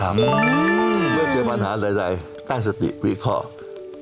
เมื่อเจอปัญหาใดตั้งสติวิเคราะห์